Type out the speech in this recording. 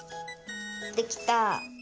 できた。